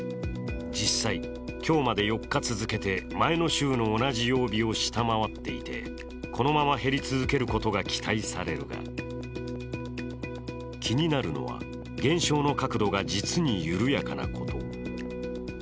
実際、今日まで４日続けて前の週の同じ曜日を下回っていてこのまま減り続けることが期待されるが、気になるのは減少の角度が実に緩やかなこと。